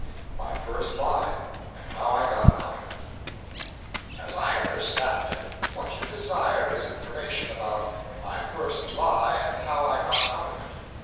MY FIRST LIE, AND HOW I GOT OUT OF IT As I understand it, what you desire is information about 'my first lie, and how I got out of it.'